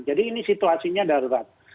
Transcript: jadi ini situasinya darurat